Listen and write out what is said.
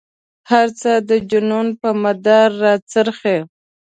هر څه د جنون په مدار را څرخي.